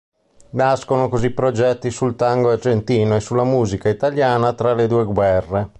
Nascono così progetti sul tango argentino e sulla musica italiana tra le due guerre.